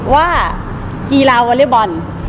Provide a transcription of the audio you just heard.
ว่ากีฬาวอเรียบอน